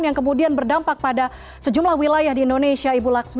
yang kemudian berdampak pada sejumlah wilayah di indonesia ibu laksmi